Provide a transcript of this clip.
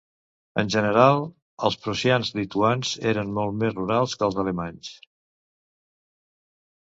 En general, els prussians lituans eren molt més rurals que els alemanys.